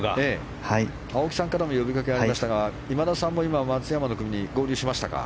青木さんからも呼びかけがありましたが、今田さんも松山の組に合流しましたか。